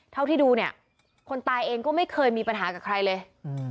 เท่าที่ดูเนี่ยคนตายเองก็ไม่เคยมีปัญหากับใครเลย